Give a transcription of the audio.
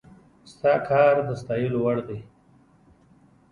ستا کار د ستايلو وړ دی